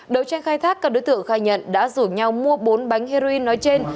đầu tranh khai thác các đối tượng khai nhận đã rủ nhau mua bốn bánh heroin nói trên